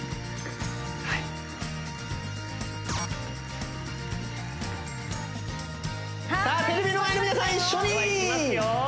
はいさあテレビの前の皆さん一緒にではいきますよ